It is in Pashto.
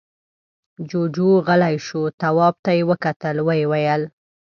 جُوجُو غلی شو، تواب ته يې وکتل، ويې ويل: